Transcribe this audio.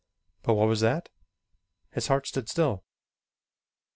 But what was that? His heart stood still.